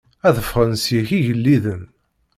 Ad d-ffɣen seg-k igelliden.